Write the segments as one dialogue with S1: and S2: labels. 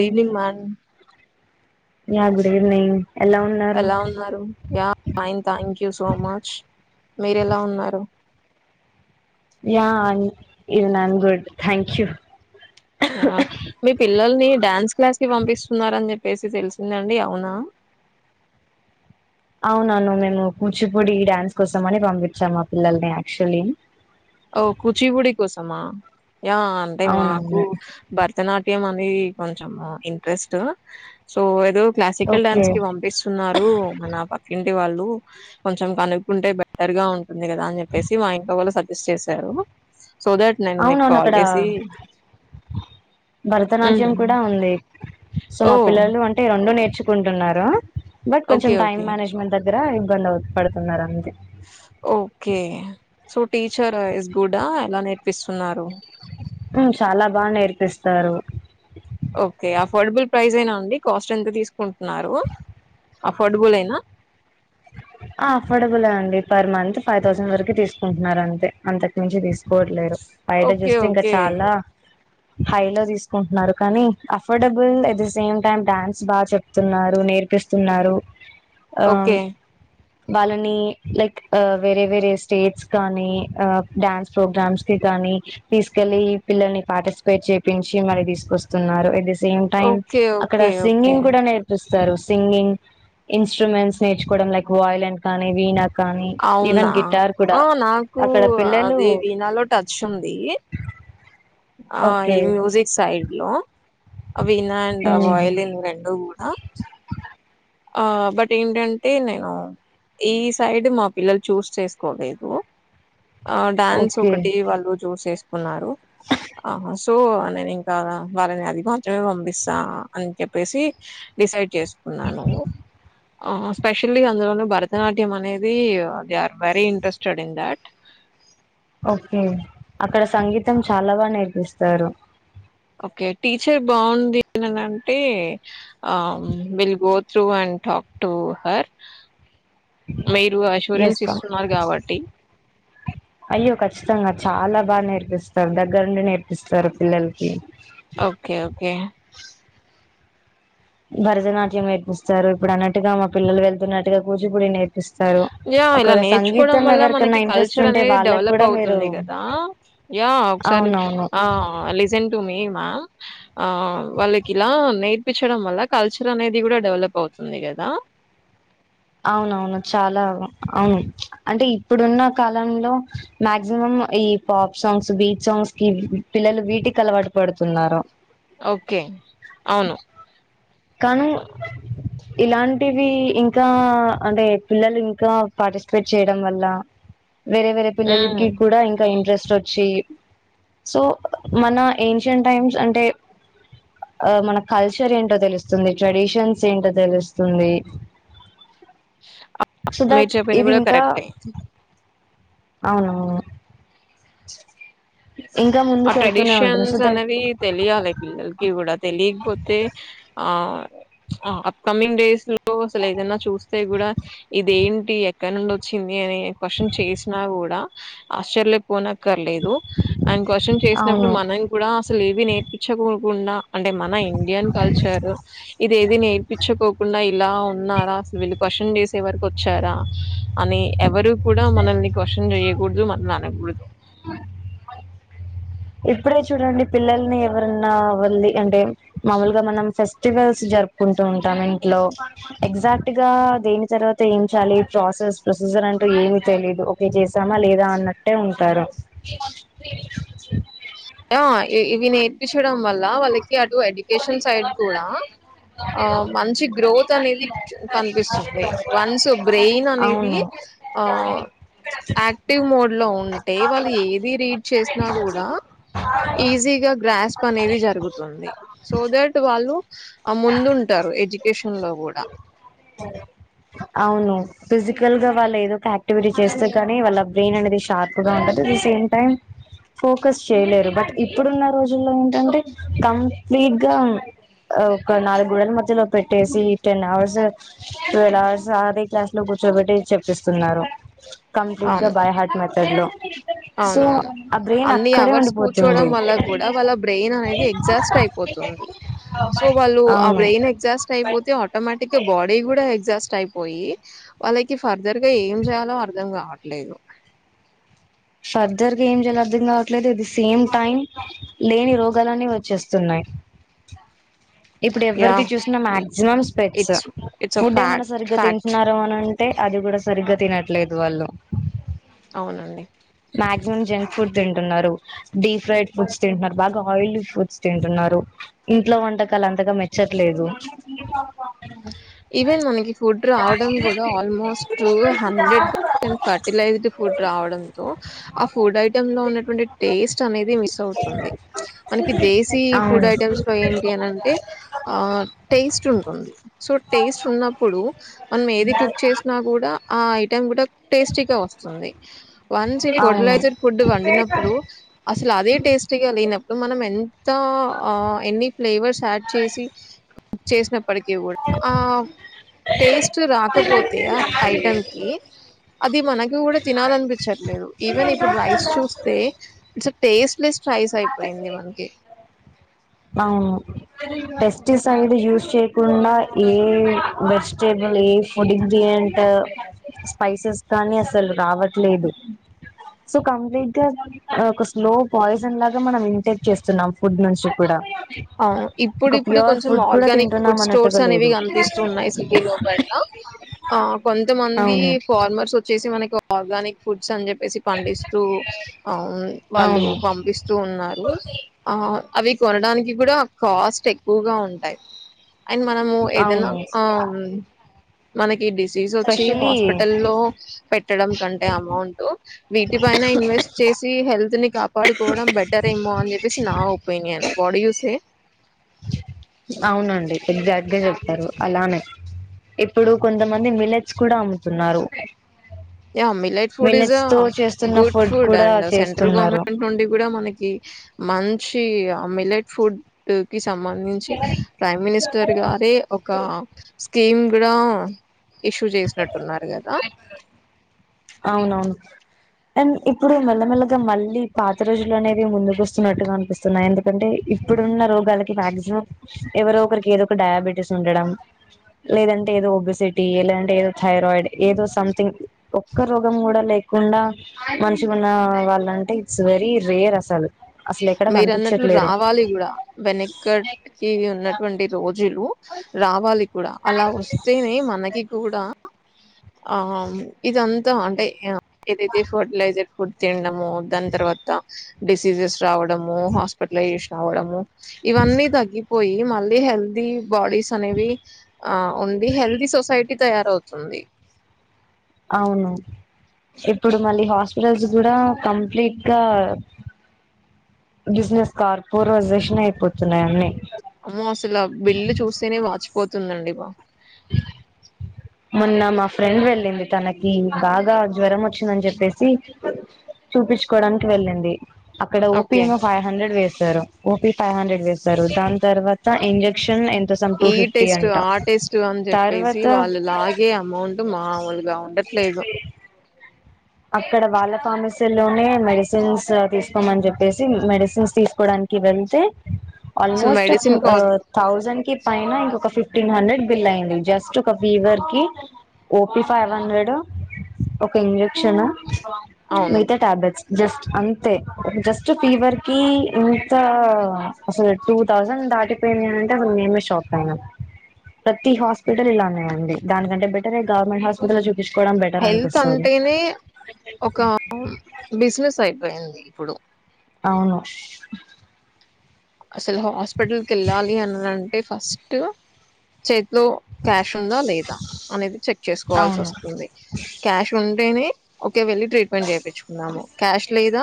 S1: డివినింగ్ మాన్
S2: yeah good evening ఎలా ఉన్నారు
S1: ఎలా ఉన్నారు? Yeah fine thank you so much మీరెలా ఉన్నారు?
S2: Is none good thank you
S1: yeah మీ పిల్లల్ని డ్యాన్స్ క్లాస్ కి పంపిస్తున్నారన్ చెప్పేసి తెలిసిందండి అవునా?
S2: అవునవును మేము కూచిపుడి డ్యాన్స్ కోసం అని పంపిచ్చాం మా పిల్లల్ని యాక్చువలీ
S1: ఓ కూచీపుడి కోసమా, యా అంటే మాకు
S2: అవునవును
S1: భరతనాట్యం అన్ డి కొంచెం ఇంట్రెస్ట్, సో ఏదో క్లాసికల్
S2: ఓకే
S1: డ్యాన్స్ కి పంపిస్తున్నారు మన పక్కింటి వాళ్ ళ్ళు కొంచెం కనుక్కుంటే బెటర్ గా ఉంటుంది గదా అని చెప్పేసి మా ఇంట్లో వాళ్ళు సజ్ స్ట్ చేశారు మీకు
S2: అవునవును
S1: కాల్
S2: అక్కడ
S1: చేసి హ్మ్
S2: భరతనాట్యం కూడా ఉంది. సో మా
S1: ఓ
S2: పిల్లలు అంటే రెండు నేర్చుకుంటున్నారు బట్ కొంచెం
S1: ఓకే
S2: టైమ్
S1: ఓకే
S2: మేనేజ్మెంట్ అన్ గ్గరా ఇబ్బంది అవు పడుతున్నారంతే.
S1: Okay so teacher is good ఆ? ఎలా నేర్పిస్తున్నారు?
S2: ఉమ్ చాలా బాగా నేర్పిస్తారు.
S1: ఓకే అఫోర్డబుల్ ప్రైసేనా అండి, కాస్ట్ ఎంత తీసుకుంటున్నారు? అఫోర్డబులేనా?
S2: ఆ అఫోర్డబులే అండి పర్ మంత్ ఫైవ్ థౌజండ్ వరకు తీసుకుంటున్నారు అంతే, అంతకు మించి తీసుకోవట్లేరు. బయట
S1: ఓకే
S2: జూస్తే ఇంకా
S1: ఓకే
S2: చాలా హై లో తీసుకుంటున్నారు కనీ affordable at the same time dance బాగా చెప్తున్నారు. నేర్పిస్తున్నారు ఆ
S1: ఓకే
S2: వాళ్ళని లైక్ ఆ వేరే వేరే స్టేట్స్ కానీ ఆ డ్యాన్స్ ప్రోగ్రామ్స్ కి కా కాని తీసుకెళ్ళి పిల్లల్ని పార్టిసిపేట్ చేపించి మళ్ళీ తీసుకొస్తున్నారు ఎట్ ది స్ సేమ్ టైమ్
S1: ఓకే
S2: అక్కడ
S1: ఓకే ఓకే
S2: సింగింగ్ గుడా నేర్పిస్ స్తరు సింగింగ్ ఇన్స్ట్రుమెంట్స్ నేర్చుకోవడం లైక్ వాయలిన్ కానీ వీనా కానీ
S1: అవునా
S2: ఈవెన్ గిటార్ కూడా
S1: ఆ నాకు
S2: అక్కడ పిల్లలు
S1: అది వీణాలో టచ్ ఉంది ఆ ఈ
S2: ఓకే
S1: మ్యూజక్ సైడ్ లో అ వినా అండ్ ఆ వైలిన్ రెండూ కూడా ఆ బట్ ఏంటంటే నేను ఈ సైడ్ మా పిల్లలు చూస్ చేసుకోలేదు ఆ డ్యాన్స్
S2: ఓకే
S1: ఒకటి వాళ్ళు చూసేసుకున్నారు ఆ సో నేను ఇంకా వాళ్ళని అది మాత్రమే పంపిస్తా అని చెప్పేసి డిసైడ్ చేసు స్పెషల్లీ అందులోనే భరతనాట్యం అనేది they are very interested in that
S2: okay అక్కడ సంగీతం చాలా బా నేర్పిస్తారు
S1: ఓకే టీచర్ బావుందిననంటే ఆ will go through an talk to her మీరు అష్యూరెన్స్
S2: ఎయస్ సార్
S1: ఇస్తున్నారు గాబట్టి.
S2: అయ్యో కఖచ్చితంగా చాలా బాగా నేర్పిస్తారు దగ్గరుండి నేర్పిస్తారు పిల్లలకి
S1: ఓకే ఓకే
S2: భరతనాట్యం నేర్పిస్తారు ఇప్పుడు అన్నట్టుగా మా పిల్లలు వెళ్తున్నట్టుగా కూచిపూడి నేర్పి పిస్తారు
S1: యా ఇలా
S2: అక్కడ
S1: నేర్చుకోవడం
S2: సంగీతం
S1: వల్ల మనకి
S2: ఎవరికన్నా ఇంట్రెస్ట్
S1: కల్చర్
S2: ఉంటే వాళ్ళకు కూడా మీరు
S1: యా ఒకసారి
S2: అవునవును
S1: ఆ లెజెన్ టు మీ మా ఆ వాళ్ళకి ఇలా నేర్పించడం వల్ల కల్చర్ అనేది కూడా డెవలప్ అవుతుంది కదా
S2: అవునవును చాలా అవును అంటే ఇప్పుడున్న కాలంలో మక్సిమం ఈ పాప్ సాంగ్స్ బీచ్ సాంగ్స్ కి పిల్లలు వీటికి అలవాటు పడుతున్నారు
S1: ఓకే అవును
S2: కానీ ఇలాంటివి ఇంకా ఇంకా అంటే పిల్లలు ఇంకా పార్టిసిపేట్ చేయడం వల్ల వేరే వేరే
S1: హ్మ్.
S2: పిల్లలకి కూడా ఇంకా ఇంట్రెస్ట్ వచ్చి సో మన ఏన్షియయంట్ టైమ్స్ అంటే ఆ మన కల్చర్ ఏంటో తెలుస్తుంది ట్రెడిషన్స్ ఏంటో తెలుస్తుంది సో
S1: మీరు
S2: దాట్
S1: చెప్పింది
S2: ఇది
S1: గూడా
S2: ఇంకా
S1: కరెక్టే.
S2: అవునవును ఇంకా
S1: ఆ
S2: ముందుకు వెళ్తూనే ఉంటుంది
S1: ట్రెడిషన్స్
S2: సో దట్
S1: అనేవి తెలియాలి పిల్లలకి కూడా తెలియకపోతే ఆ ఆ అప్కమింగ్ డేస్ లో అసలు ఏదైనా చూస్తే కూడా ఇదేంటి ఎక్కడ నుండి వచ్చింది అని క్యూషన్ చేసిన కూడా ఆర్చర్యం పొనకర్లేదు ఆ క్యూషన్ చేసినప్పుడు
S2: అవును
S1: మనం కూడా అసలు ఏవి నేర్పించకోకుండా అంటే మన ఇండియన్ కల్చర్ ఇది ఏది నేర్పించుకోకుండా ఇలా ఉన్నారా అసలు వెలు క్వశ్చన్ చేసేవరకు వచ్చారా అని ఎవరు కూడా మనల్ని క్వ్న్ చేయకూడదు మనల్ని అడగకూడదు
S2: ఇప్పుడే చూడండి పిల్లల్ని ఎవరన్నా వళ్ళి అంటే మామూలుగా మనం ఫెస్టివల్స్ జరుపుకుంటూ వుంటాం ఇంట్లో ఎగాక్ట్ గా దని తర్వాత ఏం చేయాలి ప్రాసెస్ ప్రొసీజర్ అంటూ ఏమి తెలిలీదు ఒకే చేసామా లేదా అన్నట్టే ఉంటారు
S1: ఇవి నేర్పించడం వల్ల వాళ్ళకి అటు ఎడ్యుకేషన్ సైడ్ కూడా ఆ మంచి గ్రోత్ అనేది కనిపిస్తుంది వన్స్ బ్రెయిన్ అనేది ఆ యాక్టివ్ మోడ్ లో ఉంటే వాళ్ళు ఏది రీడ్ చేసినా కూడా ఈజీగా గ్రాస్ప్ అనేది జరుగుతుంది సో దట్ వాళ్ళు ఆ ముందుంటారు ఎడ్యుకేషన్ లో కూడా
S2: అవును ఫిజికల్ గా వాళ్ళు ఏదో ఒక యాక్టివిటీ చేస్తే కానీ వాళ్ళ బ్రెయిన్ అనేది షార్ప్ గా ఉంటంది at the same time focus చేయలేరు బట్ ఇప్పుడున్న రోజుల్లో ఏంటంటే కంప్లీట్ గా ఆ ఒక నాలుగు గుడల మధ్యలో పెట్టేసి టెన్ అవర్స్ ట్వెల్వ్ అవర్స్ అదే క్లాస్ లో కూర్చోబెట్టి చెప్పిస్తున్నారు కంప్లీట్ గా
S1: అవును.
S2: బై హార్ట్ మెథడ్ లో సో
S1: అవునవును
S2: ఆ బ్రెయిన్
S1: అన్ని
S2: అక్కడే
S1: అవర్స్ కూర్చోవడం
S2: ఉండిపోతుంది
S1: వల్ల కూడా వాళ్ళ బ్రెయిన్ అనేది ఎగ్జాస్ట్ అయిపో. సో వాళ్ళు ఆ
S2: అవును
S1: బ్రెయిన్ ఎగ్జాస్ట్ అయిపోతే ఆటోమటిక్ గా బడీ కూడా. ఎగ్జాస్ట్ అయిపోయి వాళ్ళకి ఫర్దర్ గా ఏం చేయాలో అర్ధం కావట్లేదు.
S2: ఫర్దర్ గా ఏం చేయాలో అర్థం కావట్లేదు. ఎట్ ది సేమ్ టైం లేని రోగాలన్ని వచ్చేస్తున్నాయి. ఆహ్. ఇప్పుడు
S1: యా
S2: ఎవరికి చూసినా మాక్సిమం స్పెడ్స్
S1: ఇట్స్ ఇట్స్ అ
S2: ఫుడ్ ఏమన్నా
S1: ఫ్యాక్ట్
S2: సరిగ్గా
S1: ఫ్యాక్ట్
S2: తింటున్నారా అని అం ఎహ్ అది కూడా సరిగ్గా తినట్లేదు వాళ్ళు.
S1: అవునండి.
S2: మాక్సిమం జంక్ ఫుడ్ తింటున్నారు. డీప్ ఫ్రైడ్ ఫుడ్స్ తింటున్నారు. బాగా ఆయిలీ ఫుడ్స్ తింటున్నారు. ఇంట్లో వంటకాలు అంతగా మెచ్చట్లేదు.
S1: ఈవెన్ మనకి ఫుడ్ రావడం కూడా almost hundred percent fertilized food. రావడంతో ఆ ఫుడ్ ఐటెమ్ లో ఉన్నటువంటి టేస్ట్ అనేది మిస్ అవుతుంది ప్చ్. మనకి దేశీ ఫుడ్
S2: అవును
S1: ఐటమ్స్ లో ఏంటి అని అంటే ఆహ్ టేస్ట్ ఉంటుంది. సో టేస్ట్ ఉన్నప్పుడు మనం ఏది కుక్ చేసినా కూడా ఆహ్ ఐ కూడా టేస్టీ గా వస్తుంది వన్స్సీ
S2: అవును
S1: ఫర్టిలైజడ్ ఫుడ్ వండినప్పుడు. లవే టేస్టీగా లేనప్పు మనం ఎంతో ఆహ్ ఎన్ని ఫ్లేవర్స్ యాడ్ చేసి చేసినప్పటికీ. ఆహ్ టేస్ట్ రాకపోతేయా ఆ ఐటెమ్ కి. అది మనకు కూడా తినాలనిపించట్లేదు ఈవెన్ ఇప్పుడు రైస్ చూస్తే it's a tasteless. Rice అయిపోయింది మనకి
S2: ఆహ్ పెస్టిసైడ్. ఇది యూస్ చేయకుండా ఏ వెజిటేబుల్ ఏ ఫుడ్కి ది అంట. స్పైసెస్ కానీ అసలు రావట్లేదు. సో కంప్లీట్ గా ఆహ్ ఒక స్లో పాయిజ. [unintelligible] లాగా మనం ఇమిటేట్ చేస్తున్నాం ఫుడ్ నుంచి కూడా.
S1: అవును ఇప్పుడు
S2: ఒక
S1: ఇప్పుడు
S2: ప్యూర్
S1: కొంచెం
S2: ఫుడ్ కూడా
S1: ఆర్గానిక్
S2: తింటున్నాం
S1: ఫుడ్ స్టోర్స్
S2: అన్నట్టుగా
S1: అనేవి
S2: లేదు
S1: కనిపిస్తున్నాయి సిటీ లోపట్ల. ఆహ్ కొంతమంది
S2: అవును
S1: ఫార్మర్స్ వచ్చేసి మనకి ఆర్గానిక్ ఫుడ్స్ అని చెప్పి. ప్పేసి పండిస్తూ ఆహ్ వాళ్ళు
S2: అవును
S1: పంపిస్తూ ఉన్నారు ఆహ్. అవి కొనడానికి కూడా కాస్ట్ ఎక్కువగా ఉంటాయి. అండ్ మనము ఏదైనా
S2: అవును
S1: ఆహ్ మనకి డిస్. ఫీజు వచ్చి
S2: స్పెషలీ
S1: హాస్పిటల్ లో పెట్టడం కంటే అమౌంట్ వీటి పైన ఇన్వెస్ట్ చే డిసీ హెల్త్ ని కాపాడుకోవడం బెటర్ ఏమో అని చెప్పేసి నా ఒపీనియన్ బడీ యుస్ సే
S2: అవునండి ఎగ్జాక్ట్గా చెప్పారు అలానే. ఇప్పుడు కొంతమంది మిలెట్స్ కూడా అమ్ముతున్నారు.
S1: Yeah millet food is
S2: millets
S1: ఎ
S2: తో చేస్తున్న
S1: గుడ్ ఫుడ్
S2: కూడా
S1: అండ్ సెంట్రల్
S2: చేస్తున్నారు
S1: గవర్నమెంట్ నుండి కూడా మనకి. మంచి ఆహ్ మిల్లెట్ ఫుడ్ కిస్. సంబంధించి ప్రైమ్ మినిస్టర్ గారే ఒక స్కీమ్. ఇడ ఇష్యూ చేసినట్టు.
S2: అవునవును. అండ్ ఇప్పుడు మెల్లమెల్లగా మళ్ళీ పాత రోజులు అనేవి ముందుకు వస్తున్నట్టుగా అనిపిస్తున్నాయి ఎందుకంటే ఇప్. ఇప్పుడున్న రోగాలకి మాక్సిమం ఎవరో ఒకరికి ఏదో ఒక డయాబెటీస్ ఉండడం లేదంటే. ఏదో ఒబిసిటీ లేదంటే ఏదో థైరాయిడ్ ఏదో సంథింగ్. ఒక్క రోగం కూడా లేకుండా మంచిగున్న వాళ్ళంటే ఇట్స్ ఎ వెరీ రేర్ అసలు. అసలు ఎక్కడ
S1: మీరు అన్నట్లు
S2: కనిపించట్లేరు
S1: రావాలి కూడా వెనకట్ కి ఉన్నటువంటి రోజులు. రావాలి. కూడా అలా వస్తేనే మనకి కూడా ఆహ్ ఇదంతా అంటే. ఏదైతే ఫర్టిలైజర్ ఫుడ్ తినడము. దాని తర్వాత డిసీజెస్ రావడం. లం హాస్పిటలైజేషన్ అవ్వటం ఇవన్నీ తగ్గిపోయి మల్. లే హెల్దీ బాడీస్ అనేవి ఆహ్ ఉంది. హెల్దీ సొసైటీ తయారవుతుంది.
S2: అవును ఇప్పుడు మళ్ళీ హాస్పిటల్స్ గూడా కంప్లీట్ గా బిజినెస్ కార్పొరైజేషన్ అయిపోతున్నాయి అన్నీ
S1: అమ్మో అసల బిల్లు చూస్తేనే వాచిపోతుందండి బా
S2: [inaudible] మొన్న మా ఫ్రెండ్ వెళ్ళింది, తనకి బాగా జ్వరం వచ్చిందని చెప్పేసి చూపించుకోవడానికి వెళ్ళింది, అక్కడ ఓపి
S1: ఓకే
S2: ఏమో ఫైవ్ హండ్రెడ్ వేశారు ఓపి ఫైవ్ హండ్రెడ్ వేస్తారు, దాని తర్వాత ఇంజెక్షన్ ఎన్
S1: ఈ టెస్ట్ ఆ టెస్ట్ అని చెప్పేసి
S2: తర్వాత
S1: వాళ్ళు లాగి ఎ అమౌంట్ మామూలుగా ఉండట్లేదు
S2: అక్కడ వాళ్ళ ఫమస్ల లోనే మెడిసిన్స్ తీసుకోమని చెప్పేసి మెడిసిన్స్ తీసుకోవడానికి వెళ్తే
S1: అసలు
S2: ఆల్మోస్ట్
S1: మెడిసిన్ కా
S2: థౌజండ్ కి పైన ఇంకొక ఫిఫ్టీన్ హండ్రెడ్ బిల్ అయింది. జస్ట్ ఒక ఫీవర్ కి, ఓపి ఫైవ్ హండ్రెడ్ ఒక క్షణ
S1: అవును
S2: మిగతా ట్యాబ్లెట్స్ జస్ట్ అంతే, జస్ట్ ఫీవర్ కి ఇంతా అసలు టూ థౌజెండ్ దాటిపోయినయంట, మేమే షాక్ అయినం. ప్రతి హాస్పిటల్ ఇలాగనె ఉంది. దానికంటే బెటర్ ఎ గవర్నమెంట్ హాస్పిటల్ జూ తీసుకోవడం బెటర్ అనిపిస్తుంది.
S1: కాని ఒక పూ బిజినెస్ అయిపోయింది ఇప్పుడు.
S2: అవును.
S1: అసలు హాస్పిటల్కెళ్ళాలి అని అంటే, ఫస్ట్ చె లో క్యాష్, ఉందా లేదా అనేది, చెక్
S2: అవును
S1: చేసుకోవాల్సిఒస్తుంది. క్యాష్ ఉం టెనే ఒకే వెళ్ళి ట్రీట్మెంట్ జేపిచ్చుకుందాము. క్యాష్ లేదా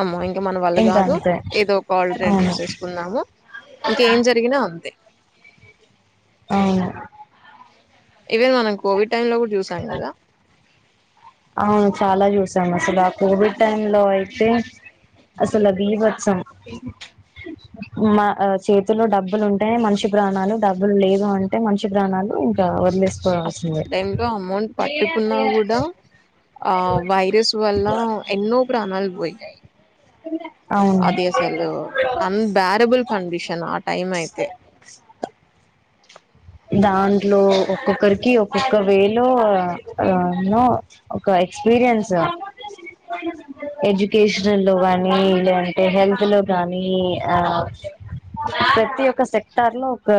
S1: అమ్మో - మన వల్ల
S2: ఇంక
S1: గాదు,
S2: అంతే
S1: ఏదో ఒక ఆల్ట్రనేట్
S2: అవును
S1: జూసేసు కుందాము. ఇంక ఏం జరిగినా అంతే.
S2: అవును.
S1: ఇవే, మనం కోవిడ్ టైమ్ లో గూడ జూసాం గదా?
S2: అవును, చాలా జూసాం, అసలు ఆ కోవిడ్ టైమ్ లో అయితే అసలు బీభత్సం మా అ చేతులో డబ్బులు ఉంటే, మనిషి ప్రాణాలు, డబ్బులు లేదు అంటే, మనిషి ప్రాణాలు ఇంకా, వద్లెయ్
S1: అసలు టైయిమ్ లో, అమౌంట్ పట్టుకున్నా గూడా ఆ వైరస్ వల్ల, ఎన్నో ప్రాణాలు పోయాయి.
S2: [unintelligible]
S1: అది అసలూ, అన్ బ్యారబుల్ కండీషన్, ఆ టైం అయితే
S2: [inaudible]
S1: [inaudible]
S2: దాంట్లో ఒక్కొక్కరికి, ఒక్కొక్క వే లో ఆ రాను ఒక ఎక్స్ పీరియన్స్ అ ఎడ్యుకేషన్ లో గానీ, లేదంటే హెల్త్ లో గానీ, ఆ ప్రతి ఒక్క సెక్టార్ లో, ఒకా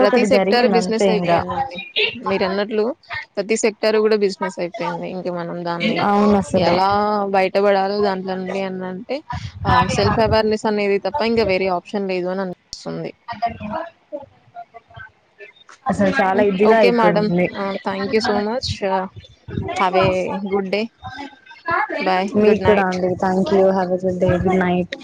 S1: ప్రతి సెక్టార్ బిజినెస్ అయిపోయిందండి. మీరు అన్నట్లూ, ప్రతి సెక్టర్ గూడ బిజినెస్ అయిప పోయింది, ఇంక మనం దాన్ని,
S2: అవును అసలు
S1: ఎలా బయ కట్టబడ ఆరోజు దాంట్లోడి ఉంది అని అంటే, ఆ సెల్ఫ్ అవేర్నెస్ అనేది తప్ప, ఇంక వేరే ఆప్షన్ లేదు అని, అ
S2: అంటరు ఏమొ అసలు చాల ఇదిగా
S1: ఓకే మేడం
S2: అయిపోయింది.
S1: థ్యాంక్ యూ సో మచ్
S2: నేను
S1: హ్యావ్
S2: కూడ
S1: ఏ
S2: వస్తాలే.
S1: గుడ్ డే బాయ్
S2: మీకు
S1: గుడ్ నైట్
S2: కూడా అండి, thank you have a good day good night.